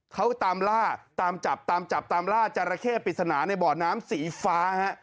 เขาตามล่าตามจับตามจับตามล่าจราเข้ปริศนาในบ่อน้ำสีฟ้าฮะ